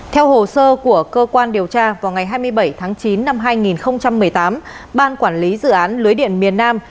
theo hồ sơ của cơ quan điều tra vào ngày hai mươi bảy tháng chín năm hai nghìn một mươi tám ban quản lý dự án lưới điện miền nam